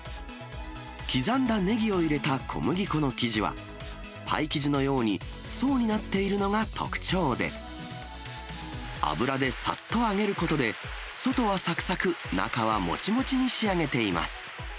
刻んだネギを入れた小麦粉の生地は、パイ生地のように層になっているのが特徴で、油でさっと揚げることで、外はさくさく中はもちもちに仕上げています。